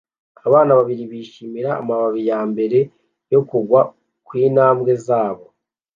Abana babiri bishimira amababi yambere yo kugwa kwintambwe zabo